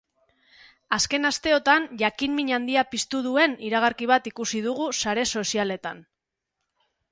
Azken asteotan jakinmin handia piztu duen iragarki bat ikusi dugu sare sozialetan.